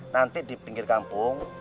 nanti di pinggir kampung